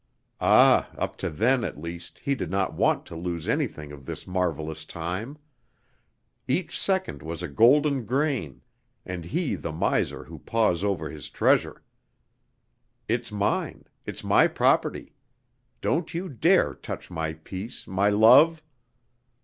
Ah, up to then at least he did not want to lose anything of this marvelous time; each second was a golden grain and he the miser who paws over his treasure. It's mine, it's my property. Don't you dare touch my peace, my love!